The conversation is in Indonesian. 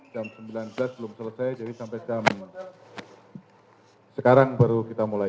jam sembilan belas belum selesai jadi sampai jam sekarang baru kita mulai